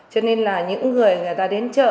cho nên là những người người ta đến chợ